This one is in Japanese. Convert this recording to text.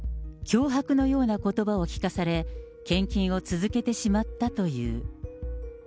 脅迫のようなことばを聞かされ、献金を続けてしまったという。